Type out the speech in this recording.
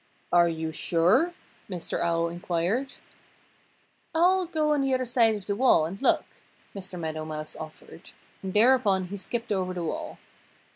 "Are you sure?" Mr. Owl inquired. "I'll go on the other side of the wall and look," Mr. Meadow Mouse offered. And thereupon he skipped over the wall.